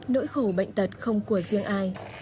nỗi khổ bệnh tật không của riêng ai